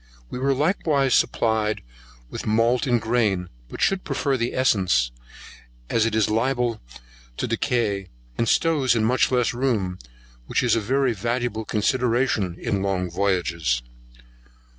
We were likewise supplied with malt in grain, but should prefer the essence, as it is less liable to decay, and stows in much less room, which is a very valuable consideration in long voyages.